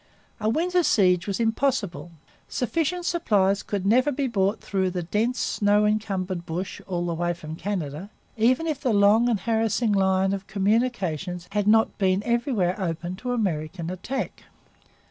A winter siege was impossible. Sufficient supplies could never be brought through the dense, snow encumbered bush, all the way from Canada, even if the long and harassing line of communications had not been everywhere open to American attack.